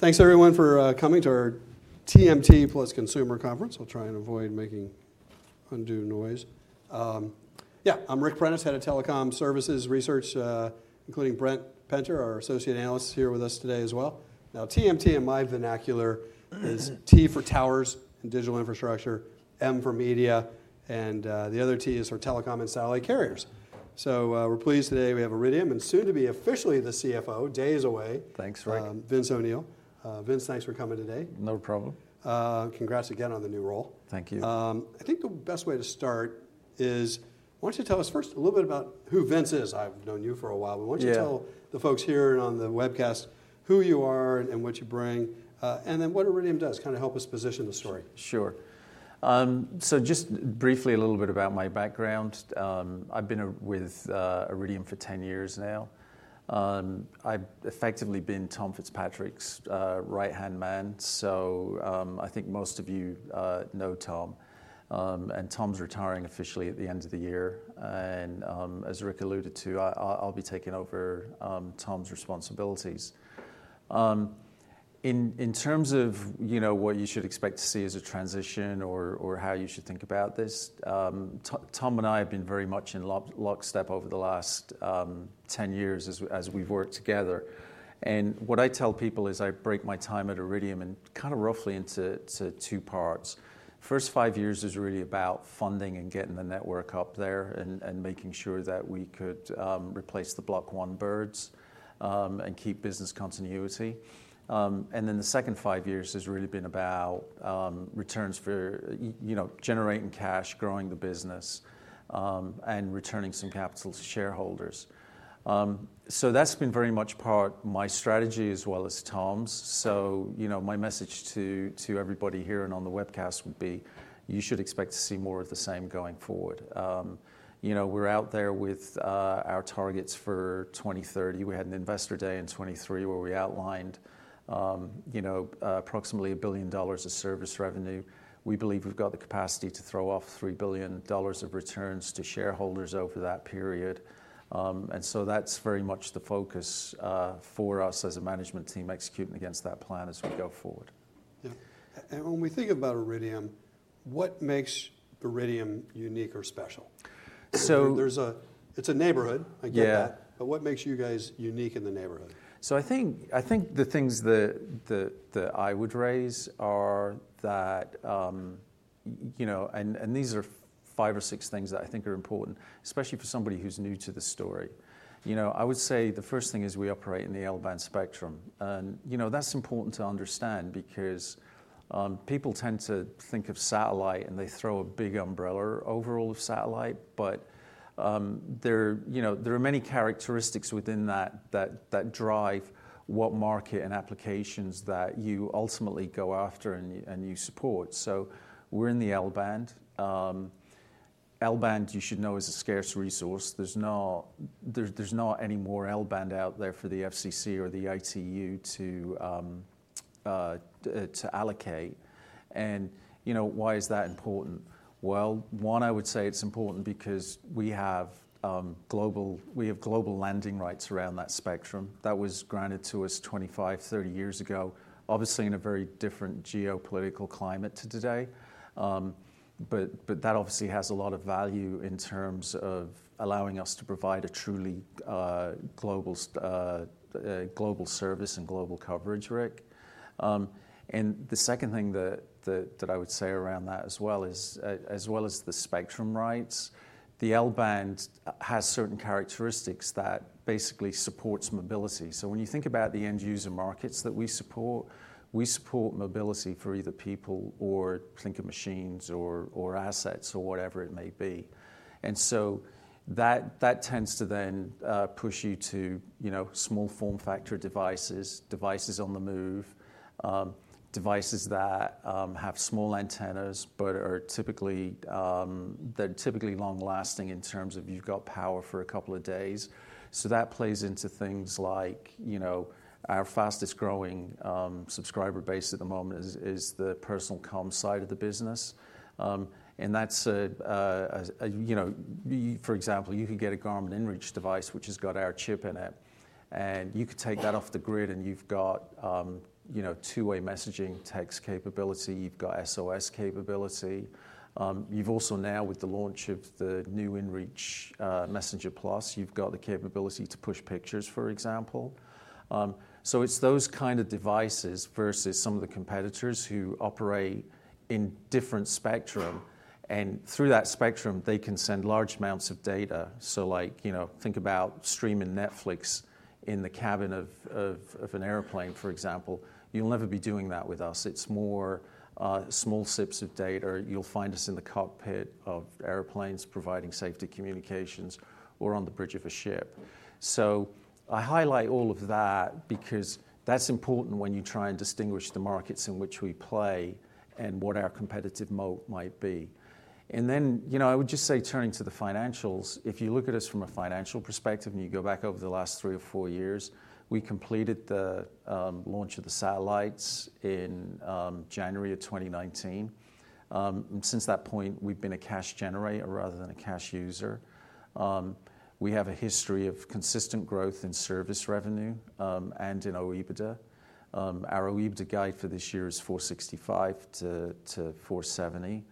Thanks, everyone, for coming to our TMT Plus Consumer Conference. I'll try and avoid making undue noise. Yeah, I'm Ric Prentiss, Head of Telecom Services Research, including Brent Penter, our Associate Analyst, here with us today as well. Now, TMT, in my vernacular, is T for Towers and Digital Infrastructure, M for Media, and the other T is for Telecom and Satellite Carriers. So we're pleased today we have Iridium and soon to be officially the CFO, days away. Thanks, Ric. Vince O’Neill. Vince, thanks for coming today. No problem. Congrats again on the new role. Thank you. I think the best way to start is, why don't you tell us first a little bit about who Vince is? I've known you for a while, but why don't you tell the folks here and on the webcast who you are and what you bring, and then what Iridium does, kind of help us position the story. Sure. So just briefly a little bit about my background. I've been with Iridium for 10 years now. I've effectively been Tom Fitzpatrick's right-hand man. So I think most of you know Tom. And Tom's retiring officially at the end of the year. And as Ric alluded to, I'll be taking over Tom's responsibilities. In terms of what you should expect to see as a transition or how you should think about this, Tom and I have been very much in lockstep over the last 10 years as we've worked together. And what I tell people is I break my time at Iridium kind of roughly into two parts. The first five years is really about funding and getting the network up there and making sure that we could replace the Block One birds and keep business continuity. And then the second five years has really been about returns for generating cash, growing the business, and returning some capital to shareholders. So that's been very much part of my strategy as well as Tom's. So my message to everybody here and on the webcast would be you should expect to see more of the same going forward. We're out there with our targets for 2030. We had an investor day in 2023 where we outlined approximately $1 billion of service revenue. We believe we've got the capacity to throw off $3 billion of returns to shareholders over that period. And so that's very much the focus for us as a management team, executing against that plan as we go forward. Yeah, and when we think about Iridium, what makes Iridium unique or special? It's a neighborhood, I get that, but what makes you guys unique in the neighborhood? I think the things that I would raise are that, and these are five or six things that I think are important, especially for somebody who's new to the story. I would say the first thing is we operate in the L-band spectrum. And that's important to understand because people tend to think of satellite and they throw a big umbrella over all of satellite. But there are many characteristics within that that drive what market and applications that you ultimately go after and you support. So we're in the L-band. L-band, you should know, is a scarce resource. There's not any more L-band out there for the FCC or the ITU to allocate. And why is that important? Well, one, I would say it's important because we have global landing rights around that spectrum. That was granted to us 25, 30 years ago, obviously in a very different geopolitical climate to today. But that obviously has a lot of value in terms of allowing us to provide a truly global service and global coverage, Ric. And the second thing that I would say around that as well is, as well as the spectrum rights, the L-band has certain characteristics that basically supports mobility. So when you think about the end user markets that we support, we support mobility for either people or think of machines or assets or whatever it may be. And so that tends to then push you to small form factor devices, devices on the move, devices that have small antennas, but they're typically long lasting in terms of you've got power for a couple of days. So that plays into things like our fastest growing subscriber base at the moment is the personal comm side of the business. And that's, for example, you could get a Garmin inReach device, which has got our chip in it. And you could take that off the grid and you've got two-way messaging text capability. You've got SOS capability. You've also now, with the launch of the new inReach Messenger Plus, you've got the capability to push pictures, for example. So it's those kind of devices versus some of the competitors who operate in different spectrum. And through that spectrum, they can send large amounts of data. So think about streaming Netflix in the cabin of an airplane, for example. You'll never be doing that with us. It's more small sips of data. You'll find us in the cockpit of airplanes providing safety communications or on the bridge of a ship, so I highlight all of that because that's important when you try and distinguish the markets in which we play and what our competitive moat might be, and then I would just say turning to the financials, if you look at us from a financial perspective and you go back over the last three or four years, we completed the launch of the satellites in January of 2019. Since that point, we've been a cash generator rather than a cash user. We have a history of consistent growth in service revenue and in OEBITDA. Our OEBITDA guide for this year is 465-470.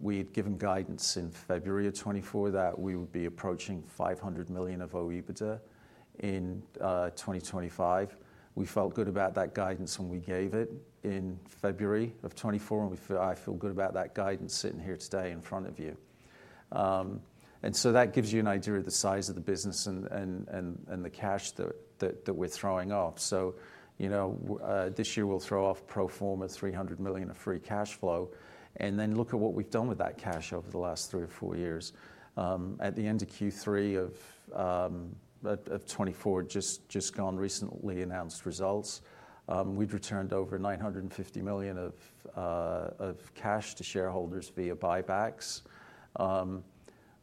We had given guidance in February of 2024 that we would be approaching 500 million of OEBITDA in 2025. We felt good about that guidance when we gave it in February of 2024, and I feel good about that guidance sitting here today in front of you, and so that gives you an idea of the size of the business and the cash that we're throwing off, so this year we'll throw off pro forma $300 million of free cash flow, and then look at what we've done with that cash over the last three or four years. At the end of Q3 of 2024, just gone, recently announced results. We'd returned over $950 million of cash to shareholders via buybacks.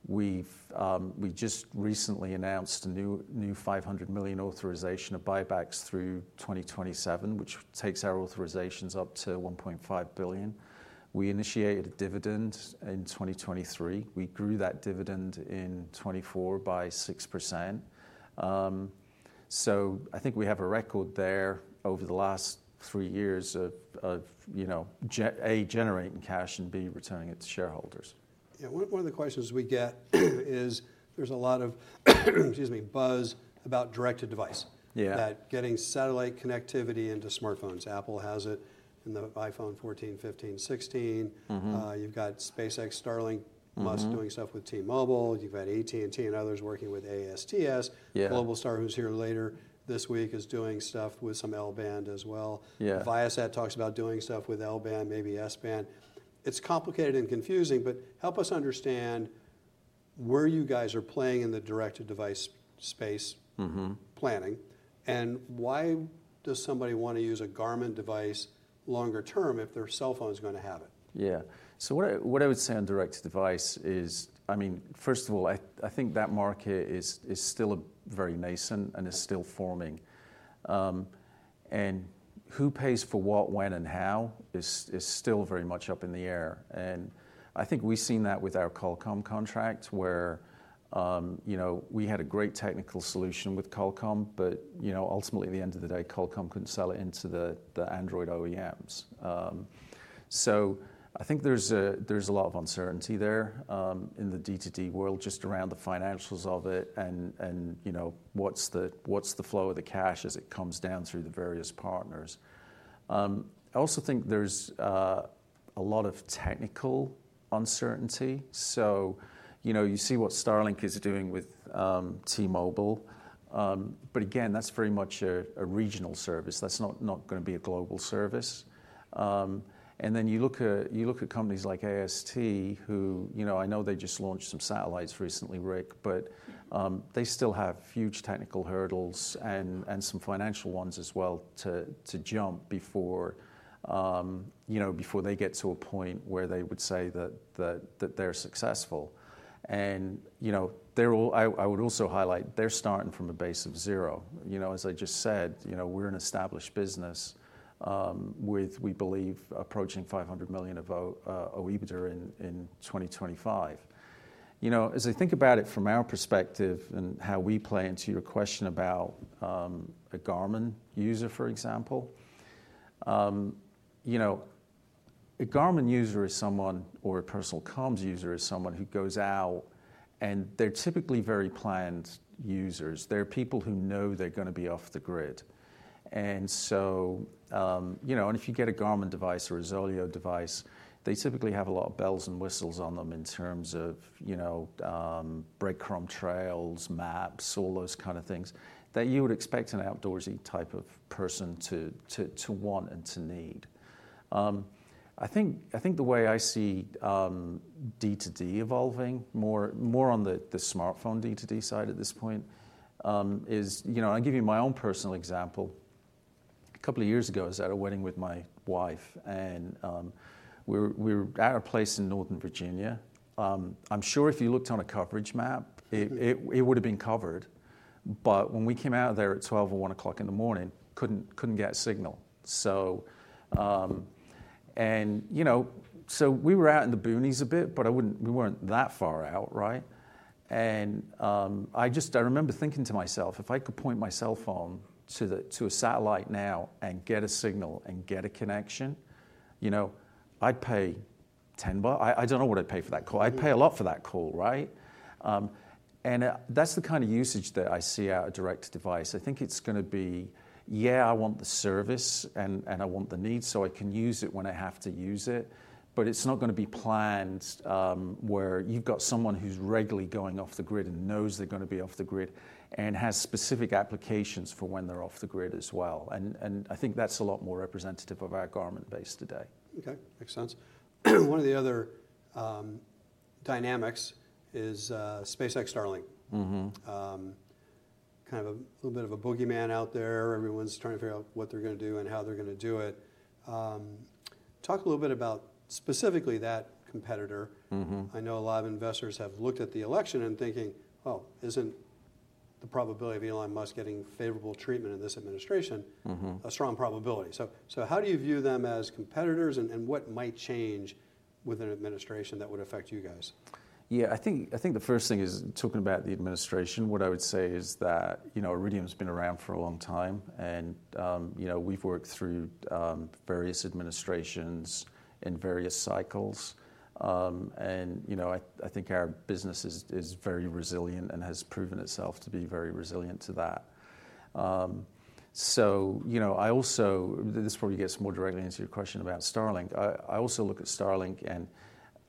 We just recently announced a new $500 million authorization of buybacks through 2027, which takes our authorizations up to $1.5 billion. We initiated a dividend in 2023. We grew that dividend in 2024 by 6%. So I think we have a record there over the last three years of A, generating cash, and B, returning it to shareholders. Yeah. One of the questions we get is there's a lot of buzz about direct-to-device. That getting satellite connectivity into smartphones. Apple has it in the iPhone 14, 15, 16. You've got SpaceX, Starlink, Musk doing stuff with T-Mobile. You've got AT&T and others working with ASTS. Globalstar who's here later this week is doing stuff with some L-band as well. Viasat talks about doing stuff with L-band, maybe S-band. It's complicated and confusing, but help us understand where you guys are playing in the direct-to-device space planning. And why does somebody want to use a Garmin device longer term if their cell phone is going to have it? Yeah. So what I would say on direct-to-device is, I mean, first of all, I think that market is still very nascent and is still forming. And who pays for what, when, and how is still very much up in the air. And I think we've seen that with our Qualcomm contract, where we had a great technical solution with Qualcomm, but ultimately, at the end of the day, Qualcomm couldn't sell it into the Android OEMs. So I think there's a lot of uncertainty there in the D2D world just around the financials of it and what's the flow of the cash as it comes down through the various partners. I also think there's a lot of technical uncertainty. So you see what Starlink is doing with T-Mobile. But again, that's very much a regional service. That's not going to be a global service. Then you look at companies like AST, who I know they just launched some satellites recently, Ric, but they still have huge technical hurdles and some financial ones as well to jump before they get to a point where they would say that they're successful. I would also highlight they're starting from a base of zero. As I just said, we're an established business with, we believe, approaching $500 million of OEBITDA in 2025. As I think about it from our perspective and how we play into your question about a Garmin user, for example, a Garmin user is someone or a personal comms user is someone who goes out, and they're typically very planned users. They're people who know they're going to be off the grid. And if you get a Garmin device or a ZOLEO device, they typically have a lot of bells and whistles on them in terms of breadcrumb trails, maps, all those kind of things that you would expect an outdoorsy type of person to want and to need. I think the way I see D2D evolving, more on the smartphone D2D side at this point, is I'll give you my own personal example. A couple of years ago, I was at a wedding with my wife, and we were at a place in Northern Virginia. I'm sure if you looked on a coverage map, it would have been covered. But when we came out there at 12:00 or 1:00 A.M., couldn't get signal. And so we were out in the boonies a bit, but we weren't that far out, right? And I just remember thinking to myself, if I could point my cell phone to a satellite now and get a signal and get a connection, I'd pay $10. I don't know what I'd pay for that call. I'd pay a lot for that call, right? And that's the kind of usage that I see out of direct-to-device. I think it's going to be, yeah, I want the service and I want the need so I can use it when I have to use it. But it's not going to be planned where you've got someone who's regularly going off the grid and knows they're going to be off the grid and has specific applications for when they're off the grid as well. And I think that's a lot more representative of our Garmin base today. Okay. Makes sense. One of the other dynamics is SpaceX, Starlink. Kind of a little bit of a boogeyman out there. Everyone's trying to figure out what they're going to do and how they're going to do it. Talk a little bit about specifically that competitor. I know a lot of investors have looked at the election and thinking, well, isn't the probability of Elon Musk getting favorable treatment in this administration a strong probability? So how do you view them as competitors and what might change with an administration that would affect you guys? Yeah. I think the first thing is talking about the administration. What I would say is that Iridium has been around for a long time, and we've worked through various administrations in various cycles. And I think our business is very resilient and has proven itself to be very resilient to that. So this probably gets more directly into your question about Starlink. I also look at Starlink, and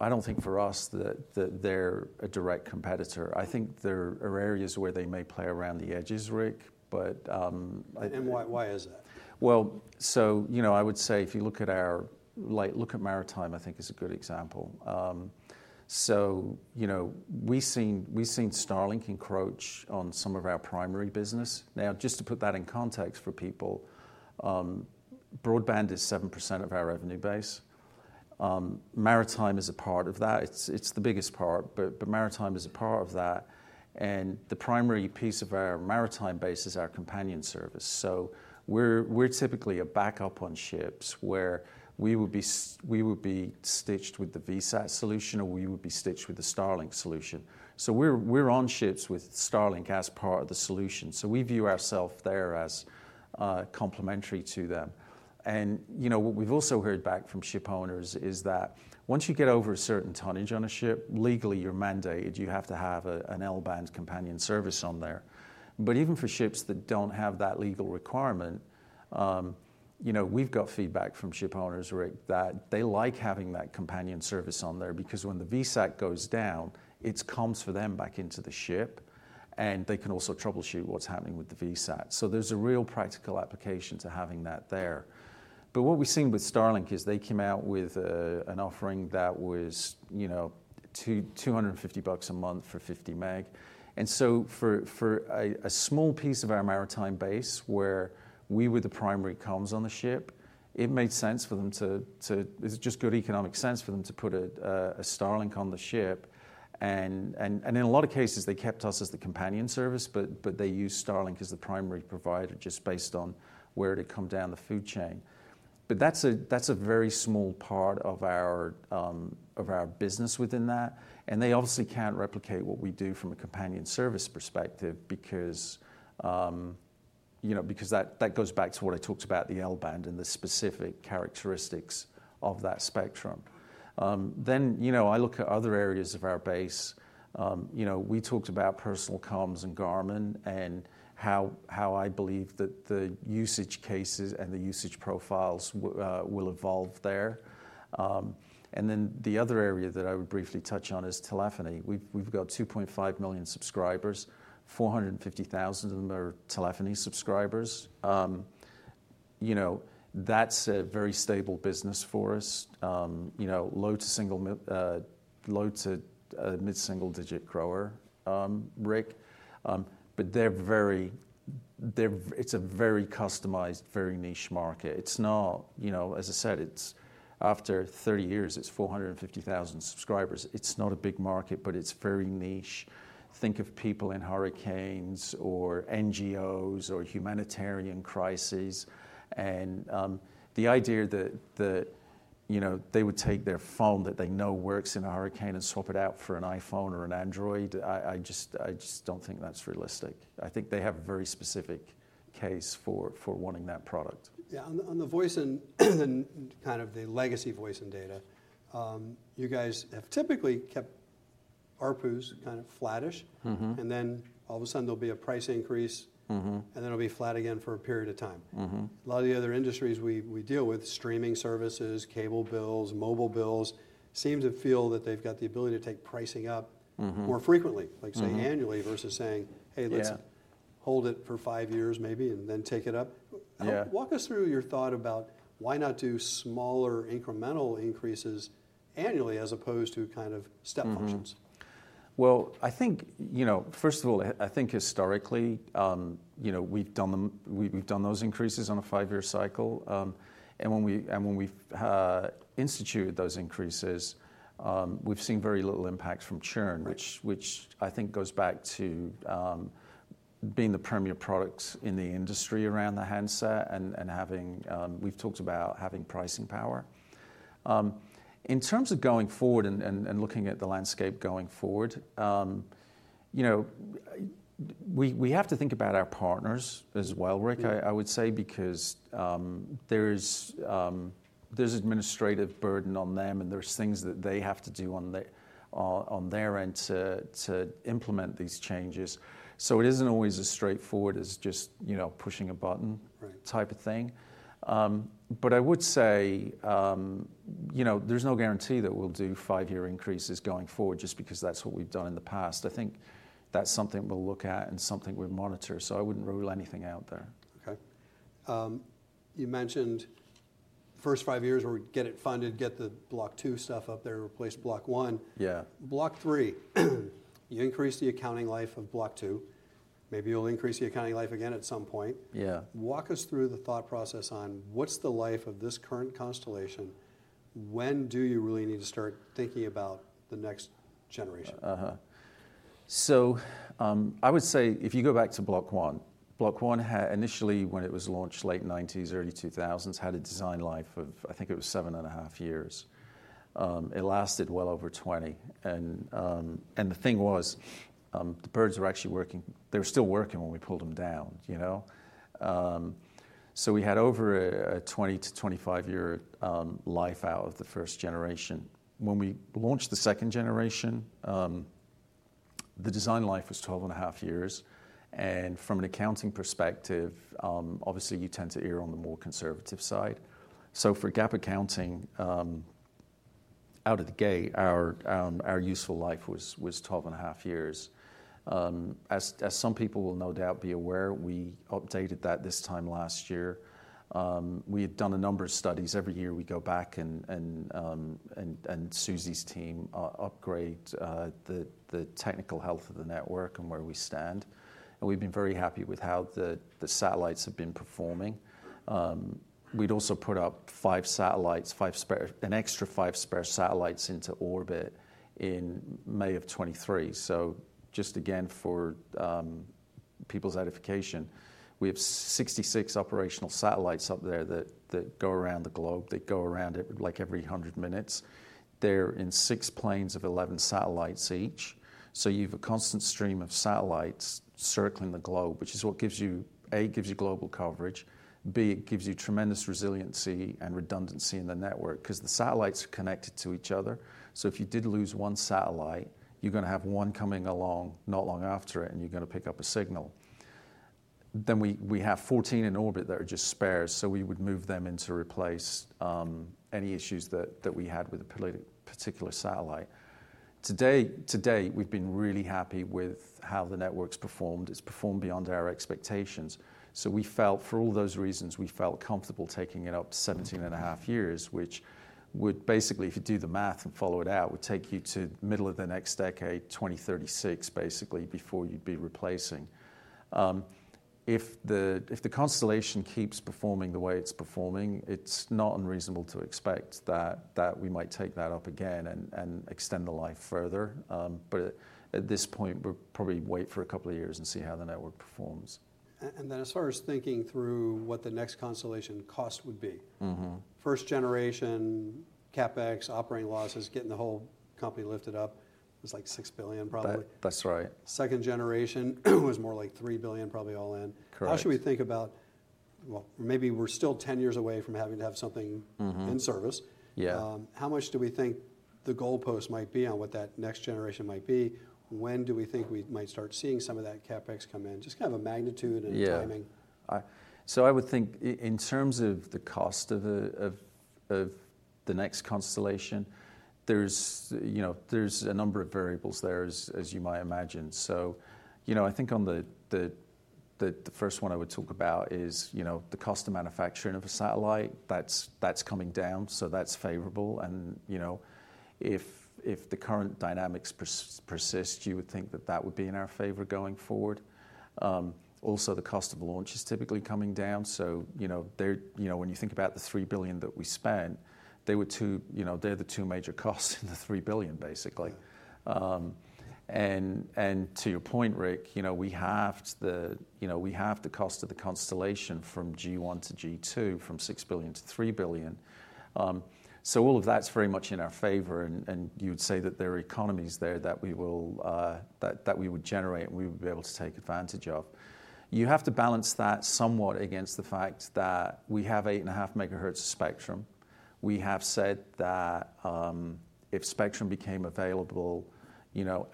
I don't think for us that they're a direct competitor. I think there are areas where they may play around the edges, Ric, but. Why is that? So I would say if you look at our Maritime, I think is a good example. We've seen Starlink encroach on some of our primary business. Now, just to put that in context for people, broadband is 7% of our revenue base. Maritime is a part of that. It's the biggest part, but Maritime is a part of that. The primary piece of our Maritime base is our companion service. We're typically a backup on ships where we would be stitched with the VSAT solution or we would be stitched with the Starlink solution. We're on ships with Starlink as part of the solution. We view ourself there as complementary to them. What we've also heard back from ship owners is that once you get over a certain tonnage on a ship, legally you're mandated. You have to have an L-band companion service on there, but even for ships that don't have that legal requirement, we've got feedback from ship owners, Ric, that they like having that companion service on there because when the VSAT goes down, it comes for them back into the ship, and they can also troubleshoot what's happening with the VSAT, so there's a real practical application to having that there, but what we've seen with Starlink is they came out with an offering that was $250 a month for 50 meg, and so for a small piece of our Maritime base where we were the primary comms on the ship, it made sense for them. It's just good economic sense for them to put a Starlink on the ship. In a lot of cases, they kept us as the companion service, but they used Starlink as the primary provider just based on where it had come down the food chain. But that's a very small part of our business within that. And they obviously can't replicate what we do from a companion service perspective because that goes back to what I talked about, the L-band and the specific characteristics of that spectrum. Then I look at other areas of our base. We talked about personal comms and Garmin and how I believe that the usage cases and the usage profiles will evolve there. And then the other area that I would briefly touch on is telephony. We've got 2.5 million subscribers. 450,000 of them are telephony subscribers. That's a very stable business for us. Low- to mid-single-digit grower, Ric. But it's a very customized, very niche market. As I said, after 30 years, it's 450,000 subscribers. It's not a big market, but it's very niche. Think of people in hurricanes or NGOs or humanitarian crises, and the idea that they would take their phone that they know works in a hurricane and swap it out for an iPhone or an Android. I just don't think that's realistic. I think they have a very specific case for wanting that product. Yeah. On the voice and kind of the legacy voice and data, you guys have typically kept ARPUs kind of flattish, and then all of a sudden there'll be a price increase, and then it'll be flat again for a period of time. A lot of the other industries we deal with, streaming services, cable bills, mobile bills, seem to feel that they've got the ability to take pricing up more frequently, like say annually versus saying, "Hey, let's hold it for five years maybe and then take it up." Walk us through your thought about why not do smaller incremental increases annually as opposed to kind of step functions? I think first of all, I think historically we've done those increases on a five-year cycle, and when we've instituted those increases, we've seen very little impacts from churn, which I think goes back to being the premier products in the industry around the handset and having we've talked about having pricing power. In terms of going forward and looking at the landscape going forward, we have to think about our partners as well, Ric. I would say, because there's administrative burden on them and there's things that they have to do on their end to implement these changes, so it isn't always as straightforward as just pushing a button type of thing. But I would say there's no guarantee that we'll do five-year increases going forward just because that's what we've done in the past. I think that's something we'll look at and something we monitor. So I wouldn't rule anything out there. Okay. You mentioned first five years where we get it funded, get the Block Two stuff up there, replace Block One. Block Three, you increase the accounting life of Block Two. Maybe you'll increase the accounting life again at some point. Walk us through the thought process on what's the life of this current constellation. When do you really need to start thinking about the next generation? I would say if you go back to Block One, Block One initially when it was launched late 1990s, early 2000s had a design life of I think it was seven and a half years. It lasted well over 20. And the thing was the birds were actually working. They were still working when we pulled them down. So we had over a 20- to 25-year life out of the first generation. When we launched the second generation, the design life was 12 and a half years. And from an accounting perspective, obviously you tend to err on the more conservative side. So for GAAP accounting, out of the gate, our useful life was 12 and a half years. As some people will no doubt be aware, we updated that this time last year. We had done a number of studies. Every year we go back and Suzi's team upgrade the technical health of the network and where we stand. And we've been very happy with how the satellites have been performing. We'd also put up five satellites, an extra five spare satellites into orbit in May of 2023. So just again for people's edification, we have 66 operational satellites up there that go around the globe. They go around it like every 100 minutes. They're in six planes of 11 satellites each. So you have a constant stream of satellites circling the globe, which is what gives you A, gives you global coverage. B, it gives you tremendous resiliency and redundancy in the network because the satellites are connected to each other. So if you did lose one satellite, you're going to have one coming along not long after it, and you're going to pick up a signal. Then we have 14 in orbit that are just spares. So we would move them in to replace any issues that we had with a particular satellite. Today, we've been really happy with how the network's performed. It's performed beyond our expectations. So for all those reasons, we felt comfortable taking it up to 17 and a half years, which would basically, if you do the math and follow it out, would take you to the middle of the next decade, 2036, basically before you'd be replacing. If the constellation keeps performing the way it's performing, it's not unreasonable to expect that we might take that up again and extend the life further. But at this point, we'll probably wait for a couple of years and see how the network performs. And then, as far as thinking through what the next constellation cost would be, first generation, CapEx, operating losses, getting the whole company lifted up, it was like $6 billion probably. That's right. Second generation was more like $3 billion, probably all in. How should we think about, well, maybe we're still 10 years away from having to have something in service. How much do we think the goalpost might be on what that next generation might be? When do we think we might start seeing some of that CapEx come in? Just kind of a magnitude and timing. I would think in terms of the cost of the next constellation, there's a number of variables there, as you might imagine. So I think on the first one I would talk about is the cost of manufacturing of a satellite. That's coming down, so that's favorable. And if the current dynamics persist, you would think that that would be in our favor going forward. Also, the cost of launch is typically coming down. So when you think about the $3 billion that we spent, they're the two major costs in the $3 billion basically. And to your point, Ric, we halved the cost of the constellation from G1 to G2 from $6 billion to $3 billion. So all of that's very much in our favor. And you would say that there are economies there that we would generate and we would be able to take advantage of. You have to balance that somewhat against the fact that we have 8.5 megahertz spectrum. We have said that if spectrum became available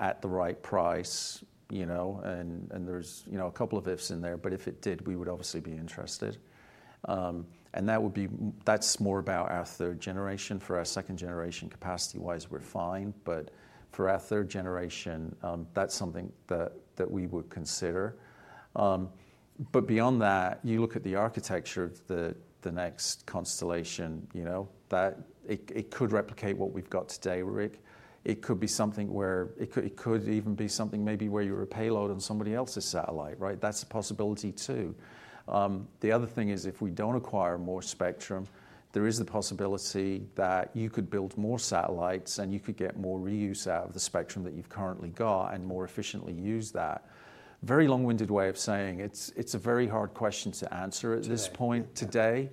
at the right price, and there's a couple of ifs in there, but if it did, we would obviously be interested. And that's more about our third generation. For our second generation, capacity-wise, we're fine. But for our third generation, that's something that we would consider. But beyond that, you look at the architecture of the next constellation, it could replicate what we've got today, Ric. It could be something where it could even be something maybe where you're a payload on somebody else's satellite, right? That's a possibility too. The other thing is if we don't acquire more spectrum, there is the possibility that you could build more satellites and you could get more reuse out of the spectrum that you've currently got and more efficiently use that. Very long-winded way of saying, it's a very hard question to answer at this point today.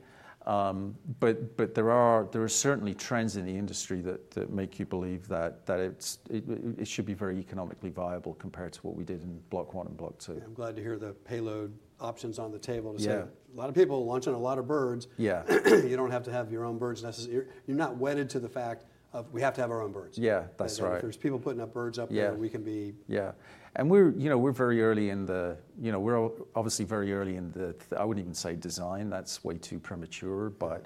But there are certainly trends in the industry that make you believe that it should be very economically viable compared to what we did in Block One and Block Two. I'm glad to hear the payload options on the table to say a lot of people launching a lot of birds. You don't have to have your own birds necessarily. You're not wedded to the fact of we have to have our own birds. Yeah, that's right. There's people putting up birds up there. We can be. Yeah. And we're obviously very early in the. I wouldn't even say design. That's way too premature, but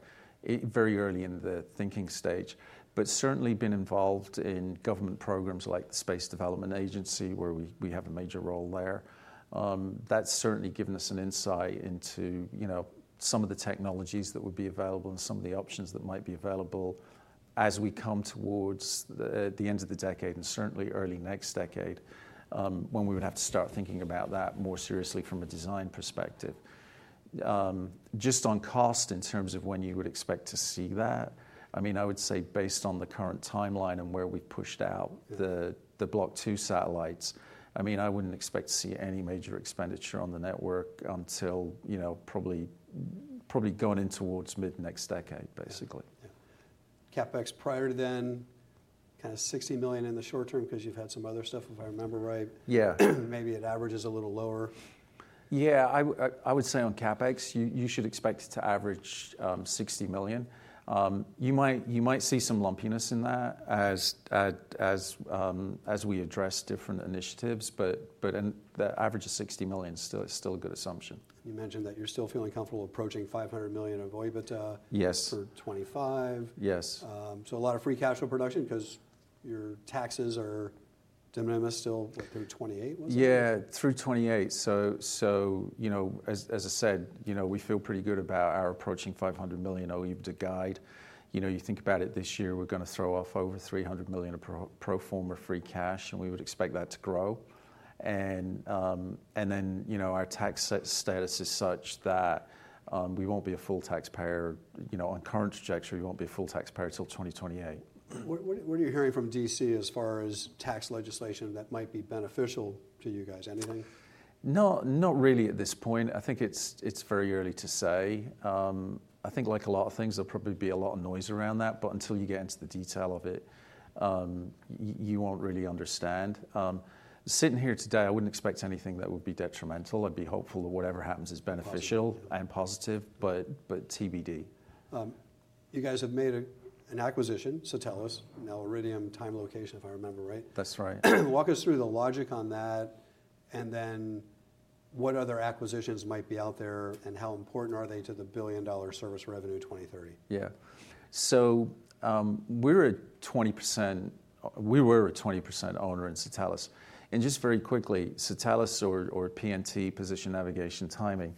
very early in the thinking stage. But certainly been involved in government programs like the Space Development Agency where we have a major role there. That's certainly given us an insight into some of the technologies that would be available and some of the options that might be available as we come towards the end of the decade and certainly early next decade when we would have to start thinking about that more seriously from a design perspective. Just on cost in terms of when you would expect to see that, I mean, I would say based on the current timeline and where we've pushed out the Block Two satellites, I mean, I wouldn't expect to see any major expenditure on the network until probably going in towards mid next decade basically. CapEx prior to then, kind of $60 million in the short term because you've had some other stuff, if I remember right. Maybe it averages a little lower. Yeah, I would say on CapEx, you should expect to average $60 million. You might see some lumpiness in that as we address different initiatives, but the average of $60 million is still a good assumption. You mentioned that you're still feeling comfortable approaching $500 million of OEBITDA for 2025. So a lot of free cash flow production because your taxes are de minimis still through 2028, wasn't it? Yeah, through 2028. So as I said, we feel pretty good about our approaching $500 million OEBITDA guidance. You think about it this year, we're going to throw off over $300 million of pro forma free cash, and we would expect that to grow. And then our tax status is such that we won't be a full taxpayer. On current trajectory, we won't be a full taxpayer until 2028. What are you hearing from DC as far as tax legislation that might be beneficial to you guys? Anything? Not really at this point. I think it's very early to say. I think like a lot of things, there'll probably be a lot of noise around that, but until you get into the detail of it, you won't really understand. Sitting here today, I wouldn't expect anything that would be detrimental. I'd be hopeful that whatever happens is beneficial and positive, but TBD. You guys have made an acquisition, Satelles, now Iridium STL, if I remember right. That's right. Walk us through the logic on that, and then what other acquisitions might be out there and how important are they to the billion-dollar service revenue 2030? Yeah. So we're a 20% owner in Satelles. And just very quickly, Satelles or PNT, position navigation timing,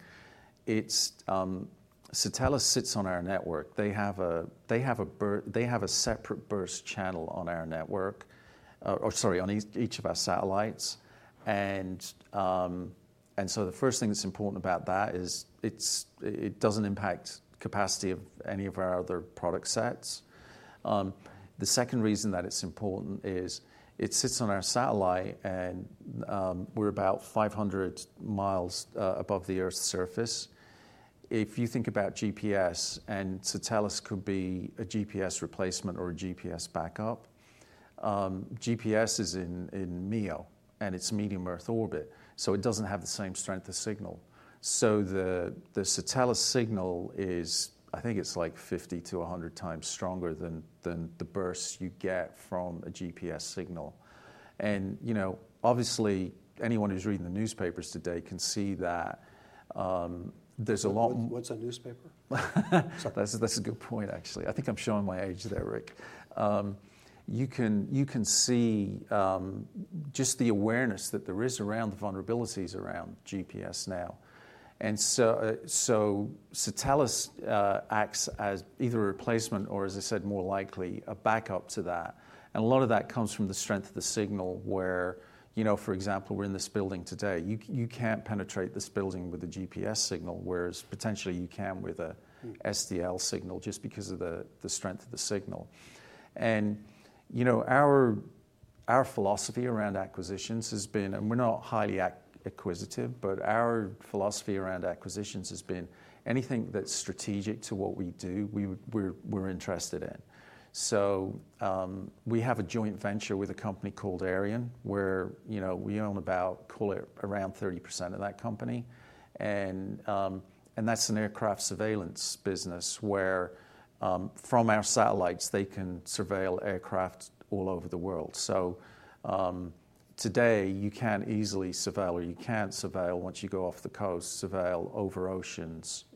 Satelles sits on our network. They have a separate burst channel on our network, or sorry, on each of our satellites. And so the first thing that's important about that is it doesn't impact capacity of any of our other product sets. The second reason that it's important is it sits on our satellite and we're about 500 miles above the Earth's surface. If you think about GPS and Satelles could be a GPS replacement or a GPS backup, GPS is in MEO and it's medium Earth orbit. So it doesn't have the same strength of signal. So the Satelles signal is, I think it's like 50 to 100 times stronger than the bursts you get from a GPS signal. Obviously, anyone who's reading the newspapers today can see that there's a lot. What's a newspaper? That's a good point, actually. I think I'm showing my age there, Ric. You can see just the awareness that there is around the vulnerabilities around GPS now. And so Satelles acts as either a replacement or, as I said, more likely a backup to that. And a lot of that comes from the strength of the signal where, for example, we're in this building today. You can't penetrate this building with a GPS signal, whereas potentially you can with an STL signal just because of the strength of the signal. And our philosophy around acquisitions has been, and we're not highly acquisitive, but our philosophy around acquisitions has been anything that's strategic to what we do, we're interested in. So we have a joint venture with a company called Aireon where we own about, call it around 30% of that company. And that's an aircraft surveillance business where from our satellites, they can surveil aircraft all over the world. So today, you can't easily surveil or you can't surveil once you go off the coast, surveil over oceans,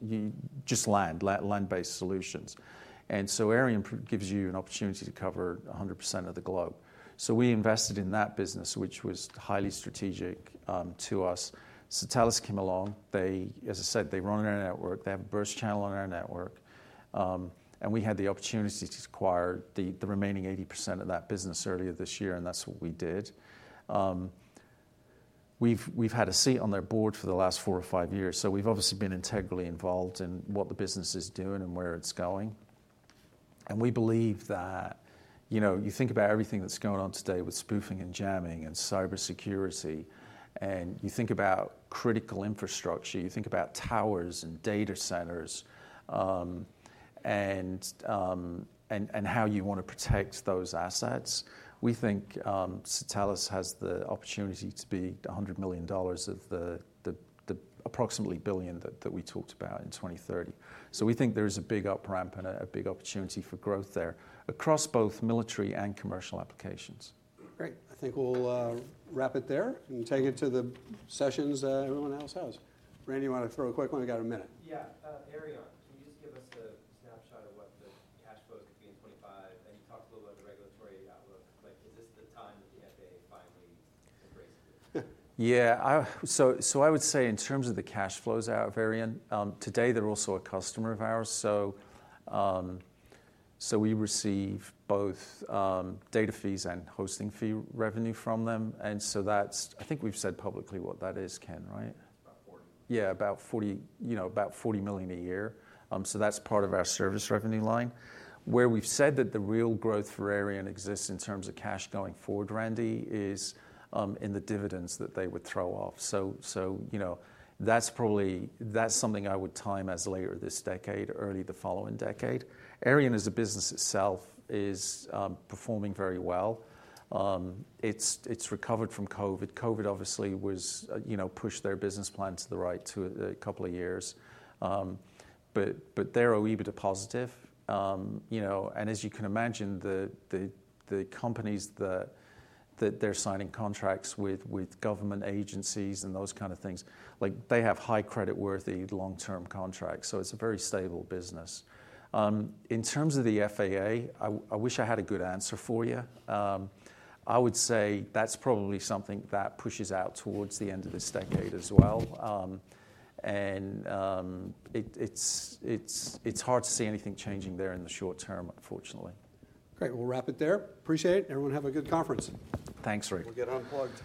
just land-based solutions. And so Aireon gives you an opportunity to cover 100% of the globe. So we invested in that business, which was highly strategic to us. Satelles came along. As I said, they run our network. They have a burst channel on our network. And we had the opportunity to acquire the remaining 80% of that business earlier this year, and that's what we did. We've had a seat on their board for the last four or five years. So we've obviously been integrally involved in what the business is doing and where it's going. We believe that you think about everything that's going on today with spoofing and jamming and cybersecurity, and you think about critical infrastructure, you think about towers and data centers and how you want to protect those assets. We think Satelles has the opportunity to be $100 million of the approximately $1 billion that we talked about in 2030. We think there is a big upramp and a big opportunity for growth there across both military and commercial applications. Great. I think we'll wrap it there and take it to the sessions everyone else has. Randy, you want to throw a quick one? We got a minute. Yeah. Aireon, can you just give us a snapshot of what the cash flows could be in 2025? And you talked a little about the regulatory outlook. Is this the time that the FAA finally embraces it? Yeah, so I would say in terms of the cash flows out of Aireon, today they're also a customer of ours. So we receive both data fees and hosting fee revenue from them. And so I think we've said publicly what that is, Ken, right? About 40. Yeah, about $40 million a year. So that's part of our service revenue line. Where we've said that the real growth for Aireon exists in terms of cash going forward, Randy, is in the dividends that they would throw off. So that's something I would time as later this decade, early the following decade. Aireon as a business itself is performing very well. It's recovered from COVID. COVID obviously pushed their business plan to the right to a couple of years. But they're OEBITDA positive. And as you can imagine, the companies that they're signing contracts with, with government agencies and those kind of things, they have high creditworthy long-term contracts. So it's a very stable business. In terms of the FAA, I wish I had a good answer for you. I would say that's probably something that pushes out towards the end of this decade as well. It's hard to see anything changing there in the short term, unfortunately. Great. We'll wrap it there. Appreciate it. Everyone have a good conference. Thanks, Ric. We'll get unplugged.